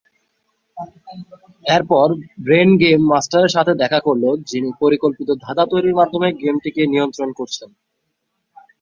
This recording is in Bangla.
এরপর বেন গেম মাস্টারের সাথে দেখা করল, যিনি পরিকল্পিত ধাঁধা তৈরির মাধ্যমে গেমটি নিয়ন্ত্রণ করেছেন।